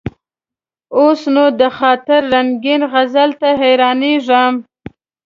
اوس نو: د خاطر رنګین غزل ته حیرانېږم.